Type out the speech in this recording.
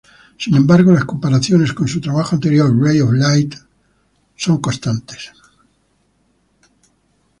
Sin embargo, las comparaciones con su trabajo anterior, "Ray of Light", fueron constantes.